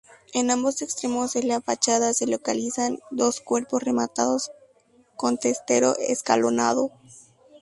En ambos extremos de la fachada se localizan dos cuerpos rematados con testero escalonado.